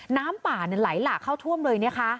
น้ำป่าไหลหลากเข้าท่วมเลยนะคะ